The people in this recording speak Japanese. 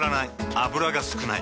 油が少ない。